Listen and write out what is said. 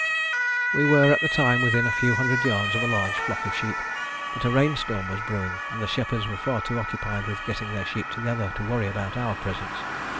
We were at the time within a few hundred yards of a large flock of sheep; but a rainstorm was brewing, and the shepherds were far too occupied with getting their sheep together to worry about our presence.